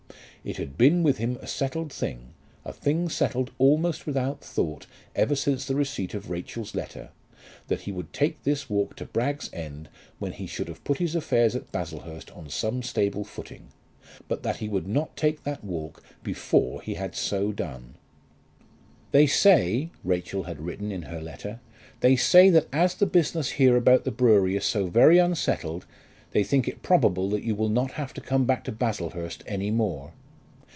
It had been with him a settled thing, a thing settled almost without thought ever since the receipt of Rachel's letter, that he would take this walk to Bragg's End when he should have put his affairs at Baslehurst on some stable footing; but that he would not take that walk before he had so done. "They say," Rachel had written in her letter, "they say that as the business here about the brewery is so very unsettled, they think it probable that you will not have to come back to Baslehurst any more."